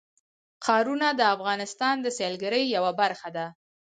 ښارونه د افغانستان د سیلګرۍ یوه برخه ده.